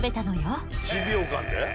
１秒間で？